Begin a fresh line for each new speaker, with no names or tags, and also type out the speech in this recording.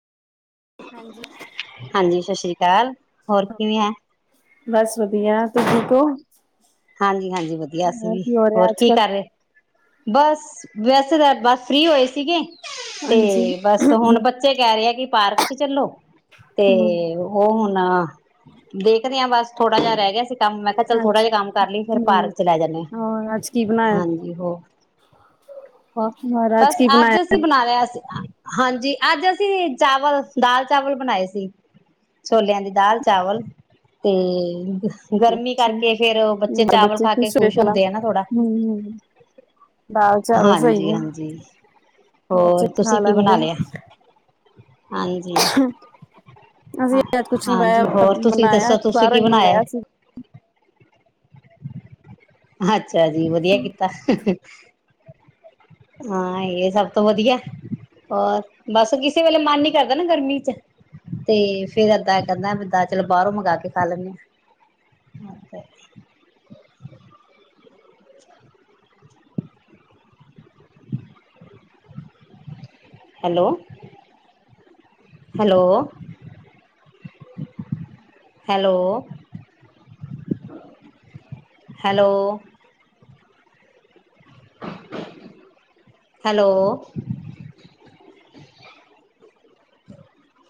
ਹਾਂਜੀ।
ਹਾਂਜੀ ਸਤਿ ਸ੍ਰੀ ਅਕਾਲ। ਹੋਰ ਕਿਵੇਂ ਐ?
ਬਸ ਵਦੀਆ। ਤੁਸੀ ਠੀਕ ਓ?
ਹਾਂਜੀ-ਹਾਂਜੀ ਵਦੀਆ ਅਸੀ ਵੀ।
ਹੋ ਰਿਹਾ
ਹੋਰ
ਅੱਜ
ਕੀ
ਕੱਲ
ਕਰ ਰੇ? ਬਸ, ਵੈਸੇ ਤੇ ਬਸ ਫ੍ਰੀ ਹੋਏ ਸੀਗੇ। ਤੇ,
ਹਾਂਜੀ।
ਬਸ ਹੁਨ ਬੱਚੇ ਕੈ ਰੇ ਐ ਕਿ ਪਾਰਕ ਚ ਚੱਲੋ। ਤੇ
ਹੂੰ
ਓ ਹੁਨ ਦੇਖਦੇ ਆਂ ਬਸ ਥੋੜਾ ਜਾ ਰੈ ਗੇਆ ਸੀ ਕੰਮ। ਮੈਂ ਕੇਆ ਚੱਲ
ਅੱਜ
ਥੋੜਾ ਜਾ ਕੰਮ ਫੇਰ ਪਾਰਕ
ਹੂੰ
ਚ ਲੈ ਜਾਂਨੇ ਆ,
ਹੋਰ ਅੱਜ ਕੀ ਬਣਾਇਆ
ਹਾਂਜੀ ਹੋਰ। ਹ,
ਹੋਰ
ਬਸ
ਕੀ ਬਣਾਇਆ?
ਅੱਜ ਅਸੀ ਬਨਾ ਹਾਂਜੀ। ਅੱਜ ਅਸੀ ਚਾਵਲ ਦਾਲ ਚਾਵਲ ਬਨਾਏ ਸੀ। ਛੋਲੇਆਂ ਦੀ ਦਾਲ ਚਾਵਲ ਤੇ ਗਰਮੀ ਕਰਕੇ
ਅੱਛਾ
ਫੇਰ ਓ ਬ ਚੇ ਚਾਵਲ
ਬੱਚੇ
ਖਾ ਕੇ
ਹੋਏ
ਖੁਸ਼
ਖਾਣਾ
ਹੁੰਦੇ ਆ ਨਾ ਥੋੜਾ।
ਹੂੰ ਦਾਲ ਚਾਵਲ ਸਹੀ ਹੈ
ਹਾਂਜੀ-ਹਾਂਜੀ
ਬੱਚੇ
ਹੋਰ
ਖਾ
ਤੁਸੀਂ ਕੀ ਬਣਾ
ਲੈਂਦੇ
ਲਿਆ? ਹਾਂਜੀ।
ਅਸੀਂ
ਹ
ਅੱਜ ਕੁਛ ਨੀ
ਹਾਂਜੀ
ਪਾਇਆ
ਹੋਰ ਤੁਸੀਂ
ਬਣਾਇਆ
ਦੱਸੋ ਤੁਸੀਂ
ਬਾਹਰੋਂ
ਕੀ
ਹੀ
ਬਣਾ ਆਏ?
ਮੰਗਾਇਆ ਸੀ।
ਅੱਛਾ ਜੀ, ਵਦੀਆ ਕੀਤਾ।
ਹ
ਹਾਂ ਇਹ ਸਭ ਤੋਂ ਵਧੀਆ। ਹੋਰ, ਬਸ ਕਿਸੇ ਵੇਲੇ ਮਨ ਨੀ ਕਰਦਾ ਨਾ ਗਰਮੀ ਚ। ਤੇ ਫੇਰ ਏਦਾਂ ਕਰਨਾ ਵੀ ਓਦਾਂ ਚਲੋ ਬਾਹਰੋਂ ਮੰਗਾਵਾ ਕੇ ਖਾ ਲੈਂਨੇ ਆ। ਹਾਂ ਤੇ, hello, hello hello, hello, hello-